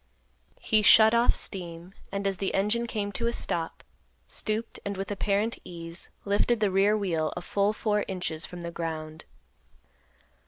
He shut off steam, and, as the engine came to a stop, stooped, and, with apparent ease, lifted the rear wheel a full four inches from the ground.